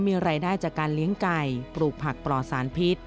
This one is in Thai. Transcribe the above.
มีรายได้จากการเลี้ยงไก่ปลูกผักปลอดสารพิษ